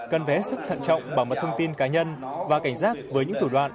cần vẽ sức thận trọng bảo mật thông tin cá nhân và cảnh giác với những thủ đoạn